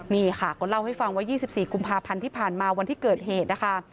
นี่ค่ะก็เล่าให้ฟังว่า๒๔กุมภาพันธ์ที่ผ่านมาวันที่เกิดเหตุนะคะ